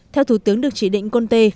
theo thủ tướng được chỉ định conte